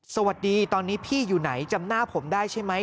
สวัสดีตอนนี้พี่อยู่ไหนจำหน้าผมได้ใช่ไหม